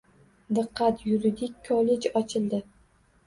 Diqqat, yuridik kollej ochildi!